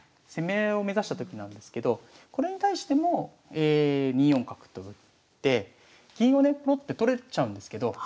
攻め合いを目指したときなんですけどこれに対しても２四角と打って銀をねポロッて取れちゃうんですけど。